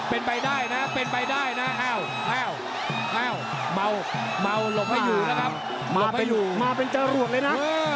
เป็นไปได้นะอ้าวมาวหลบแล้วอยู่มาเป็นจรวดเลยนะ